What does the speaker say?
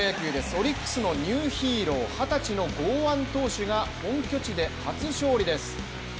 オリックスのニューヒーロー、二十歳の剛腕投手が、本拠地で初勝利です。